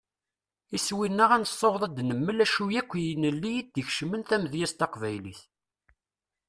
Iswi-nneɣ ad nessaweḍ ad d-nemmel acu akk n yilelli i d-ikecmen tamedyazt taqbaylit.